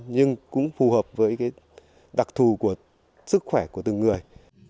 nhưng cũng phù hợp với cái đặc thù của sức khỏe của từng người